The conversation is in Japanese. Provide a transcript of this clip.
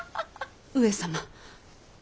上様？